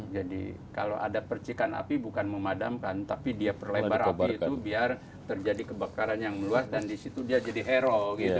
jadi kalau ada percikan api bukan memadamkan tapi dia perlebar api itu biar terjadi kebakaran yang meluas dan di situ dia jadi hero